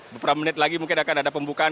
beberapa menit lagi mungkin akan ada pembukaan